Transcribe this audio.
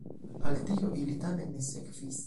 Al tio ili tamen ne sekvis.